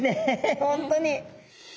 本当に！